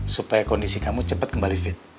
supaya kondisi kamu cepat kembali fit